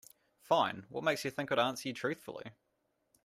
Fine, what makes you think I'd answer you truthfully?